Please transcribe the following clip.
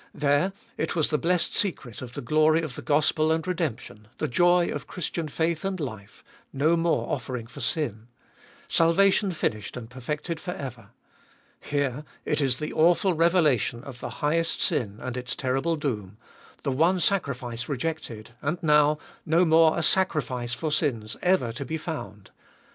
There it was the blessed secret of the glory of the gospel and redemption, the joy of Christian faith and life — no more offering for sin : salva tion finished and perfected for ever. Here it is the awful revela tion of the highest sin and its terrible doom : the one sacrifice 404 abe Doliest of ail rejected, and now no more a sacrifice for sins ever to be found.